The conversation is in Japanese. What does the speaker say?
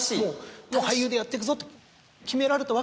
もう俳優でやってくぞと決められたわけですよね。